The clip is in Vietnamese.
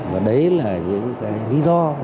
và đấy là những cái lý do